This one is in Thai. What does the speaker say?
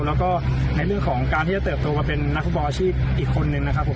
แล้วก็ในเรื่องของการที่จะเติบโตมาเป็นนักฟุตบอลอาชีพอีกคนนึงนะครับผม